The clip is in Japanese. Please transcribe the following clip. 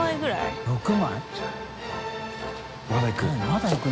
まだいく。